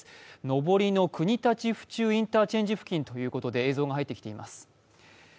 上りの国立府中インターチェンジ付近ということで、映像が入ってきています。